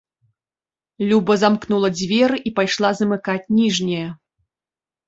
Люба замкнула дзверы і пайшла замыкаць ніжнія.